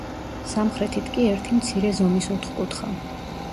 სამხრეთით კი ერთი მცირე ზომის ოთხკუთხა.